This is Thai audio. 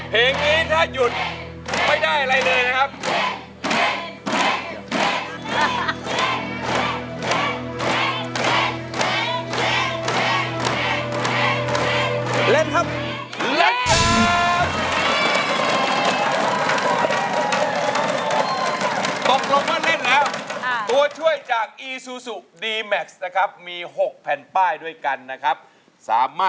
เพลงนี้ถ้าหยุดไม่ได้อะไรเลยนะครับ